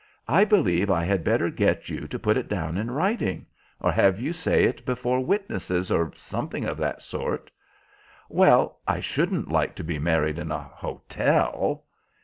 I believe I had better get you to put it down in writing, or have you say it before witnesses, or something of that sort." "Well, I shouldn't like to be married in a hotel."